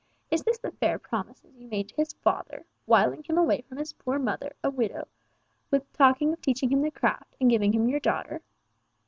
Is this the fair promises you made to his father—wiling him away from his poor mother, a widow, with talking of teaching him the craft, and giving him your daughter!